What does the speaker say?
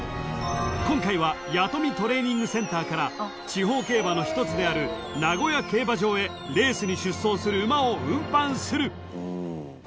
［今回は弥富トレーニングセンターから地方競馬の一つである名古屋競馬場へレースに出走する馬を運搬する］